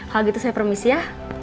kalau gitu saya permis ya